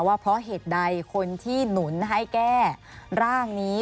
ว่าเพราะเหตุใดคนที่หนุนให้แก้ร่างนี้